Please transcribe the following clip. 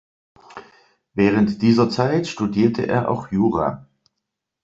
Während dieser Zeit studierte er auch Jura.